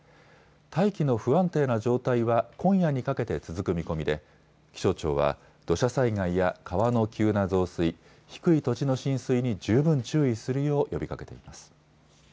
大気の不安定な状態は今夜にかけて続く見込みで気象庁は土砂災害や川の急な増水、低い土地の浸水に十分注意するよう呼びかけています。